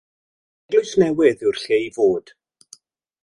Eglwys Newydd yw'r lle i fod.